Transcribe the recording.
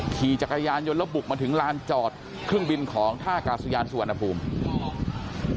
ขี่จักรยานยนต์แล้วบุกมาถึงลานจอดเครื่องบินของท่ากาศยานสุวรรณภูมิ